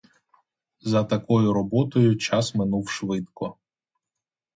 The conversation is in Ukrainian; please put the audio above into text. За такою роботою час минув швидко.